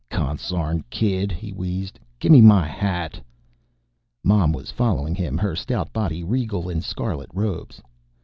"Consarn kid!" he wheezed. "Gimme my hat!" Mom was following him, her stout body regal in scarlet robes.